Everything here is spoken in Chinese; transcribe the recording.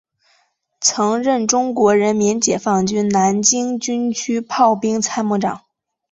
曾任中国人民解放军南京军区炮兵参谋长。